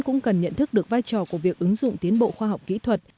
cũng cần nhận thức được vai trò của việc ứng dụng tiến bộ khoa học kỹ thuật